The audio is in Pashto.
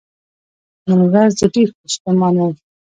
نن ورځ زه ډیر ستومان وم .